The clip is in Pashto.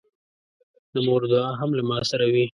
د مور دعا هم له ما سره وي.